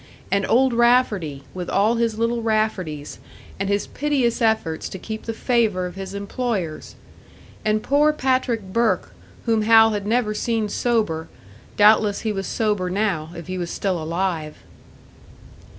And Old Rafferty, with all his little Rafferties, and his piteous efforts to keep the favour of his employers! And poor Patrick Burke, whom Hal had never seen sober; doubtless he was sober now, if he was still alive!